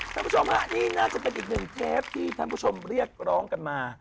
คุณผู้ชมฮะนี่น่าจะเป็นอีกหนึ่งเทปที่ท่านผู้ชมเรียกร้องกันมา